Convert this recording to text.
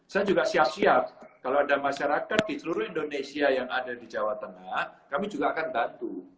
saya juga siap siap kalau ada masyarakat di seluruh indonesia yang ada di jawa tengah kami juga akan bantu